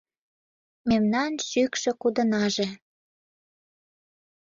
Мемнан шӱкшӧ кудынаже